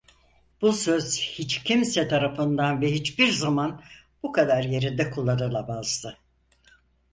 Bu söz, hiç kimse tarafından ve hiçbir zaman bu kadar yerinde kullanılamazdı.